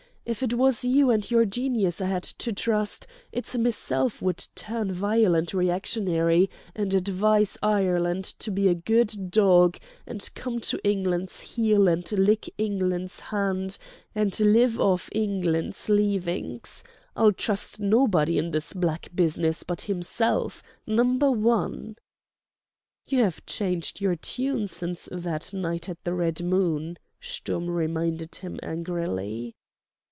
If it was you and your genius I had to trust, it's meself would turn violent reactionary and advise Ireland to be a good dog and come to England's heel and lick England's hand and live off England's leavings. I'll trust nobody in this black business but himself—Number One." "You have changed your tune since that night at the Red Moon," Sturm reminded him, angrily.